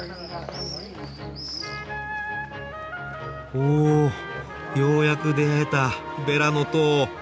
おようやく出会えたベラの塔。